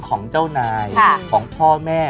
ของเจ้านายของพ่อแม่